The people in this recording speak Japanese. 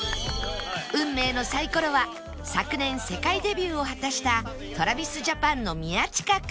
運命のサイコロは昨年世界デビューを果たした ＴｒａｖｉｓＪａｐａｎ の宮近君